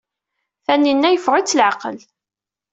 Tanninna yeffeɣ-itt leɛqel.